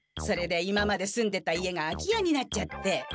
それで今まで住んでた家が空き家になっちゃって。